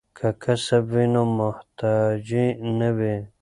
که کسب وي نو محتاجی نه وي.